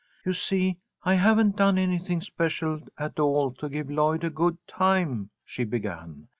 "You see, I haven't done anything special at all to give Lloyd a good time," she began.